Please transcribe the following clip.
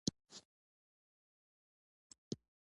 حاجي ظاهر درې څلور ځله ورغوښتی دی.